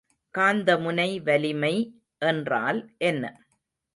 காந்தமுனை வலிமை என்றால் என்ன?